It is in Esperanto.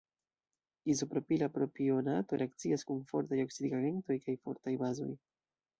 Izopropila propionato reakcias kun fortaj oksidigagentoj kaj fortaj bazoj.